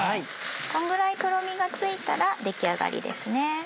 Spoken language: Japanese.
このぐらいとろみがついたら出来上がりですね。